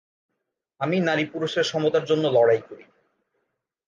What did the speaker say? আমি নারী -পুরুষের সমতার জন্য লড়াই করি।